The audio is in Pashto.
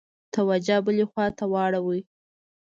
توجه بلي خواته واوړي.